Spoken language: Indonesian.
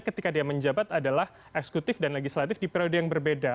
ketika dia menjabat adalah eksekutif dan legislatif di periode yang berbeda